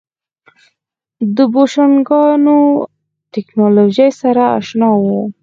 د بوشنګانو ټکنالوژۍ سره اشنا وو.